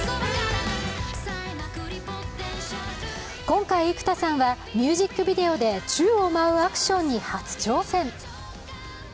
今回、幾田さんはミュージックビデオで宙を舞うアクションに初挑戦。